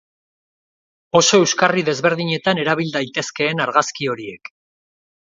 Oso euskarri desberdinetan erabil daitezkeen argazki horiek.